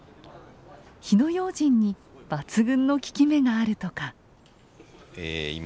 火の用心に抜群の効き目があるとか。